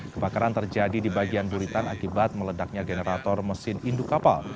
kebakaran terjadi di bagian buritan akibat meledaknya generator mesin indu kapal